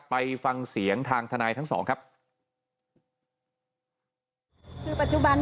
ไปฟังเสียงทางทนายทั้งสองครับ